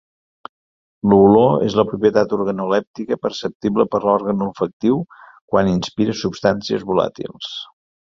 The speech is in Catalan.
L'olor és la propietat organolèptica perceptible por l'òrgan olfactiu quan inspira substàncies volàtils.